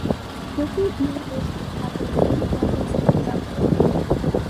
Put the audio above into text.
Griffith University has its main campus in the suburb.